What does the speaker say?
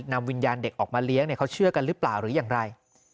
นำวิญญาณเด็กออกมาเลี้ยงเขาเชื่อกันหรือเปล่าหรืออย่างไร